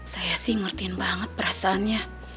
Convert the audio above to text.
saya sih ngertiin banget perasaannya